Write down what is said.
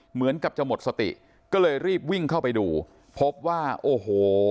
เหมือนกับจะหมดสติก็เลยรีบวิ่งเข้าไปดูพบว่าโอ้โห